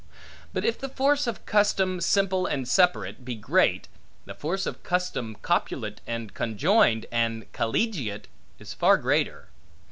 But if the force of custom simple and separate, be great, the force of custom copulate and conjoined and collegiate, is far greater.